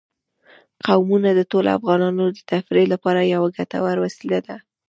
قومونه د ټولو افغانانو د تفریح لپاره یوه ګټوره وسیله ده.